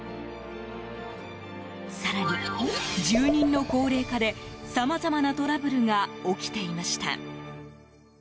更に、住人の高齢化でさまざまなトラブルが起きていました。